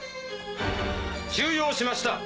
収容しました。